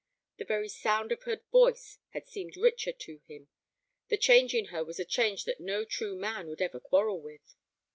The very sound of her voice had seemed richer to him; the change in her was a change that no true man would ever quarrel with.